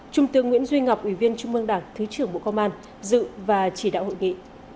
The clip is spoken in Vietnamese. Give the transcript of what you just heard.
trung tướng nguyễn duy ngọc ủy viên trung mương đảng thứ trưởng bộ công an dự và chỉ đạo hội nghị